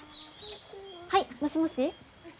はいもしもし。